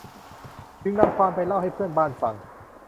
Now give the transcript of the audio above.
จึงนำความไปเล่าให้เพื่อนบ้านฟัง